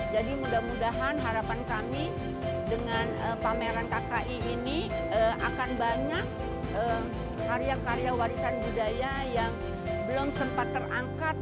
jadi mudah mudahan harapan kami dengan pameran kki ini akan banyak karya karya warisan budaya yang belum sempat terangkat